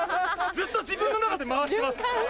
ずっと自分の中で回します。